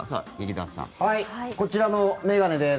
こちらの眼鏡です。